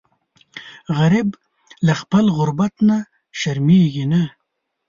غریب له خپل غربت نه شرمیږي نه